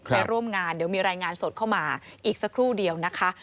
ไปร่วมงานเดี๋ยวมีรายงานสดเข้ามาอีกสักครู่เดียวนะคะ